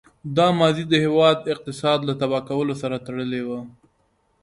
دا ماضي د هېواد اقتصاد له تباه کولو سره تړلې وه.